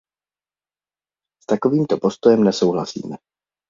S takovýmto postojem nesouhlasíme.